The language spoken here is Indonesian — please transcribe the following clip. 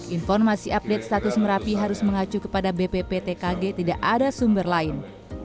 informasi update status merapi harus mengacu kepada bpptkg tidak ada sumber lain